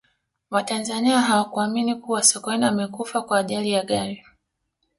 watanzania hawakuamini kuwa sokoine amekufa kwa ajali ya gari